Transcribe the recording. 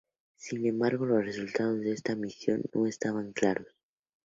Sin embargo, los resultados de esta misión no estaban claros.